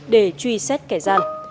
để truy xét kẻ gian